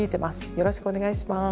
よろしくお願いします。